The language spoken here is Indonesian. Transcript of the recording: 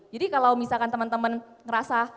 jadi kalau misalkan teman teman ngerasa